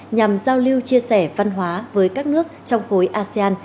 nhằm giao lưu chia sẻ văn hóa với các nước trong khối asean